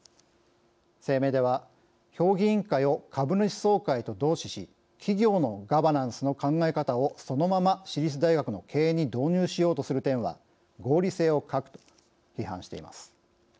声明では「評議員会を株主総会と同視し企業のガバナンスの考え方をそのまま私立大学の経営に導入しようとする点は合理性を欠く」と批判しています。